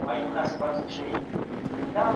د خاطب نظر هم اخيستل.